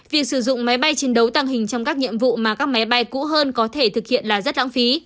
việc sử dụng máy bay chiến đấu tăng hình trong các nhiệm vụ mà các máy bay cũ hơn có thể thực hiện là rất lãng phí